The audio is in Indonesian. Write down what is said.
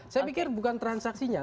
saya pikir bukan transaksinya